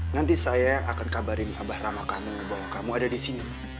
nanti saya akan kabarin abah ramah kamu bahwa kamu ada di sini